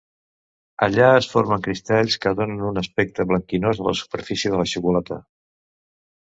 Allà es formen cristalls que donen un aspecte blanquinós a la superfície de la xocolata.